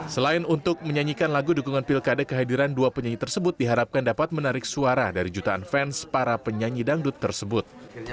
selain untuk menyanyikan lagu dukungan pilkada kehadiran dua penyanyi tersebut diharapkan dapat menarik suara dari jutaan fans para penyanyi dangdut tersebut